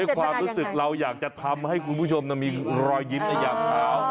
ความรู้สึกเราอยากจะทำให้คุณผู้ชมมีรอยยิ้มในหยามเท้า